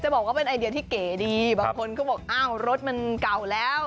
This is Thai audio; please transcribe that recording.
บอกว่าเป็นไอเดียที่เก๋ดีบางคนก็บอกอ้าวรถมันเก่าแล้ว